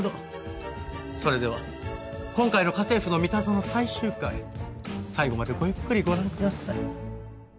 それでは今回の『家政夫のミタゾノ』最終回最後までごゆっくりご覧ください。